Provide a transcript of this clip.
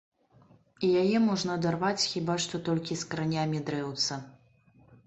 І яе можна адарваць хіба што толькі з каранямі дрэўца.